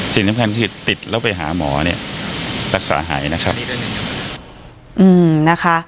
สิ่งสำคัญคือติดแล้วไปหาหมอเนี่ยรักษาหายนะครับอืมนะคะ